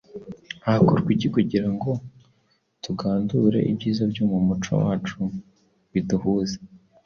Hakorwa iki kugira ngo tugandure ibyiza byo mu muco wacu biduhuze?